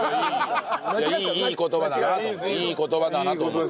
いい言葉だなといい言葉だなと思って。